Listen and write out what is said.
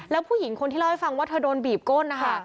แล้วผู้หญิงคนที่เล่าให้ฟังว่าเธอโดนบีบก้นนะคะ